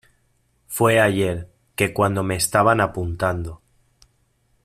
fue ayer, que cuando me estaban apuntando